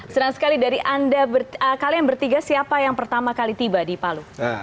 senang sekali dari anda kalian bertiga siapa yang pertama kali tiba di palu